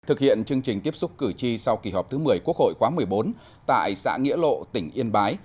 thực hiện chương trình tiếp xúc cử tri sau kỳ họp thứ một mươi quốc hội khóa một mươi bốn tại xã nghĩa lộ tỉnh yên bái